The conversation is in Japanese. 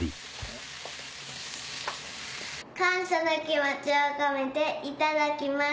感謝の気持ちを込めていただきます。